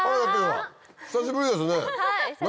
久しぶりですね何？